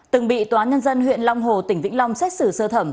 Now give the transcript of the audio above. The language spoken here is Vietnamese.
từng bị tòa nhân dân huyện long hồ tỉnh vĩnh long xét xử sơ thẩm